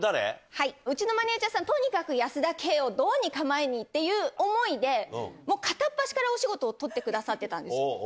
はい、うちのマネージャーさん、保田圭をどうにか前にっていう思いで、片っ端から、お仕事を取ってくださってたんです。